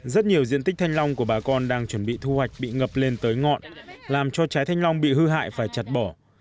rất nhiều diện tích thanh long của bà con đang chuẩn bị thu hoạch bị ngập lên tới ngọn làm cho trái thanh long bị hư hại phải chặt bỏ